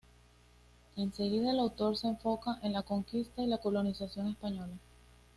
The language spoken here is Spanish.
Enseguida, el autor se enfoca en la conquista y la colonización española.